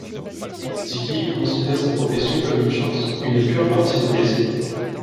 Dicky considère sa profession comme une chance, une pure partie de plaisir.